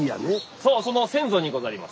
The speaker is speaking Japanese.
そうその先祖にござります。